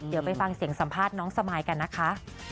เดี๋ยวไปฟังเสียงสัมภาษณ์น้องสมายกันนะคะ